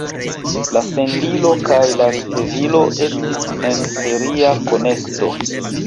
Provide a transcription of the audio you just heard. La sendilo kaj la ricevilo estis en seria konekto.